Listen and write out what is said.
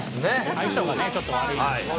相性がちょっと悪いんですね。